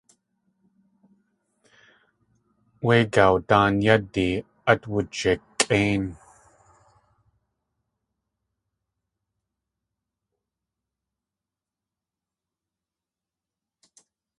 Wé gawdáan yádi át wujikʼéin.